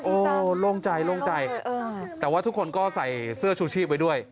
โล่งใจโล่งใจแต่ว่าทุกคนก็ใส่เสื้อชูชีพไว้ด้วย